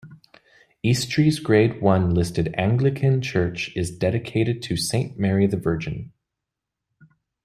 Eastry's Grade One listed Anglican church is dedicated to Saint Mary the Virgin.